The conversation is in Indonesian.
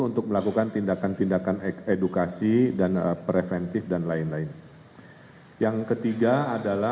untuk melakukan tindakan tindakan edukasi dan preventif dan lain lain yang ketiga adalah